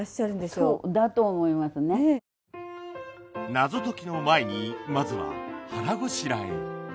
謎解きの前にまずは腹ごしらえ